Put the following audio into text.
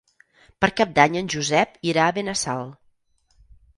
Per Cap d'Any en Josep irà a Benassal.